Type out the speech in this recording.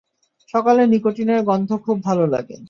সকালে নিকোটিন এর গন্ধ খুব ভালো লাগে।